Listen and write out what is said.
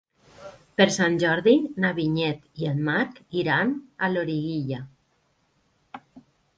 Per Sant Jordi na Vinyet i en Marc iran a Loriguilla.